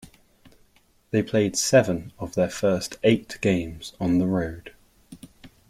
They played seven of their first eight games on the road.